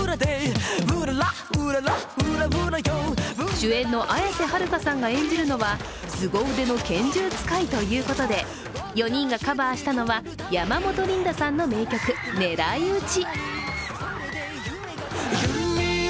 主演の綾瀬はるかが演じるのはすご腕の拳銃使いということで４人がカバーしたのは山本リンダさんの名曲「狙いうち」。